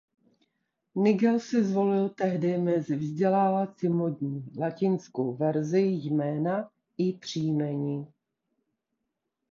Nigel si zvolil tehdy mezi vzdělanci módní latinskou verzi jména i příjmení.